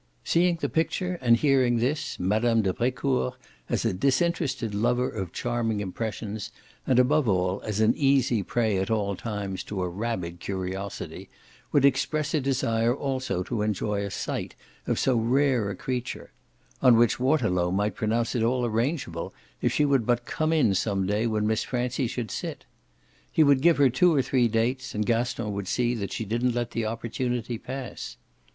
Seeing the picture and hearing this, Mme. de Brecourt, as a disinterested lover of charming impressions, and above all as an easy prey at all times to a rabid curiosity, would express a desire also to enjoy a sight of so rare a creature; on which Waterlow might pronounce it all arrangeable if she would but come in some day when Miss Francie should sit. He would give her two or three dates and Gaston would see that she didn't let the opportunity pass.